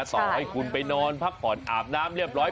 ต่อให้คุณไปนอนพักผ่อนอาบน้ำเรียบร้อย